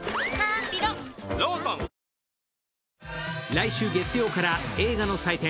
来週月曜から映画の祭典